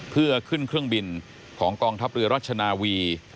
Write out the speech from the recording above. เพื่อขึ้นเครื่องบินของกองทัพเรือรัชนาวี